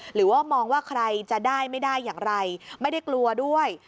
หรือว่ามองว่าใครจะได้ไม่ได้อย่างไรไม่ได้กลัวด้วย